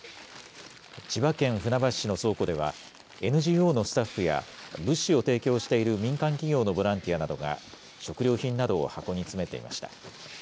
千葉県船橋市の倉庫では、ＮＧＯのスタッフや、物資を提供している民間企業のボランティアなどが、食料品などを箱に詰めていました。